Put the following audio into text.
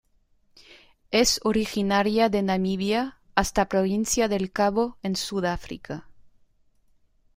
Es originaria de Namibia hasta Provincia del Cabo en Sudáfrica.